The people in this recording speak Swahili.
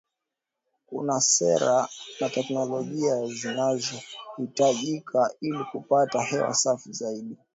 kuna sera na teknolojiazinazohitajika ili kupata hewa safi zaidi